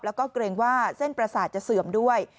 แล้วก็เกรงว่าเส้นประสาทจะเสื่อมด้วย